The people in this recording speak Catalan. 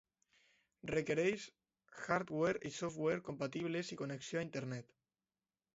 Requereix hardware i software compatibles i connexió a internet.